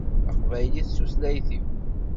Taqbaylit d tutlayt-iw